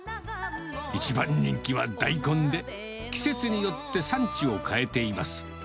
一番人気は大根で、季節によって産地を変えています。